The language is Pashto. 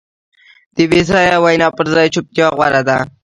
د بېځایه وینا پر ځای چوپتیا غوره ده.